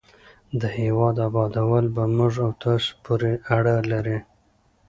د هېواد ابادول په موږ او تاسو پورې اړه لري.